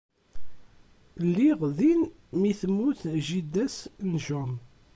Lliɣ din mi temmut jida-s n Jaume.